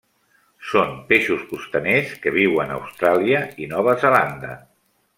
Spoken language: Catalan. Són peixos costaners que viuen a Austràlia i Nova Zelanda.